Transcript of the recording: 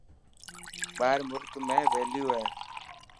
ٻاهر ملڪ ۾ ويليو هي.